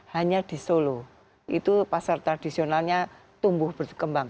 hanya di solo itu pasar tradisionalnya tumbuh berkembang